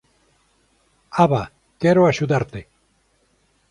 Ava, quero axudarte.